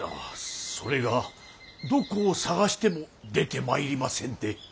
それがどこを探しても出てまいりませんで。